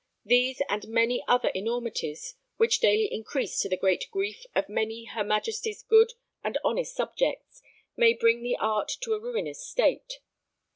These and many other enormities, which daily increase to the great grief of many her Majesty's good and honest subjects, may bring the art to a ruinous state.